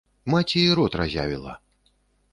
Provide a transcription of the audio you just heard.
Маці і рот разявіла.